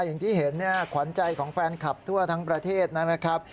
อย่างที่เห็นขวัญใจของแฟนคลับทั่วทั้งประเทศนะครับ